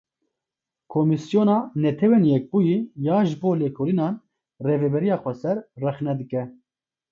Komîsyona Netewên Yekbûyî ya ji bo lêkolînan Rêveberiya Xweser rexne dike.